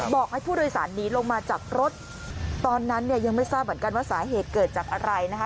บอกให้ผู้โดยสารหนีลงมาจากรถตอนนั้นเนี่ยยังไม่ทราบเหมือนกันว่าสาเหตุเกิดจากอะไรนะคะ